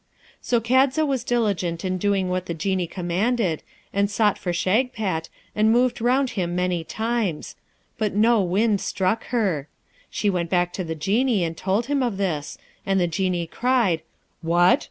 So Kadza was diligent in doing what the Genie commanded, and sought for Shagpat, and moved round him many times; but no wind struck her. She went back to the Genie, and told him of this, and the Genie cried, 'What?